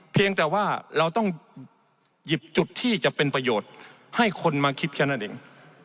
เพียงแต่ว่าเราต้องหยิบจุดที่จะเป็นประโยชน์ให้คนมาคิดแค่นั้นเอง